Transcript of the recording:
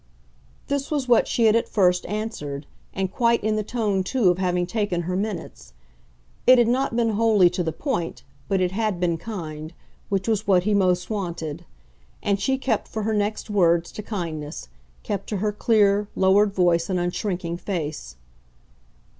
This was what she had at first answered and quite in the tone too of having taken her minutes. It had not been wholly to the point, but it had been kind which was what he most wanted. And she kept, for her next words, to kindness, kept to her clear, lowered voice and unshrinking face.